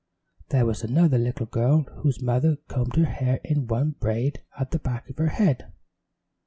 There was another little girl whose mother combed her hair in one braid at the back of her head.